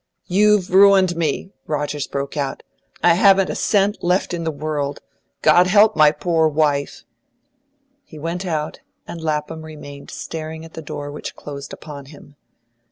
"You've ruined me!" Rogers broke out. "I haven't a cent left in the world! God help my poor wife!" He went out, and Lapham remained staring at the door which closed upon him.